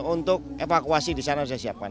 untuk evakuasi disana saya siapkan